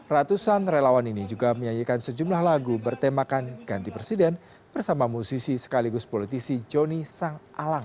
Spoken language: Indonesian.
ratusan relawan ini juga menyanyikan sejumlah lagu bertemakan ganti presiden bersama musisi sekaligus politisi joni sang alas